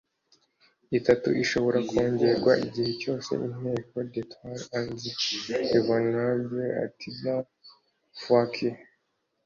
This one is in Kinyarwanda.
itatu ishobora kwongerwa igihe cyose Inteko de trois ans renouvelable autant de fois que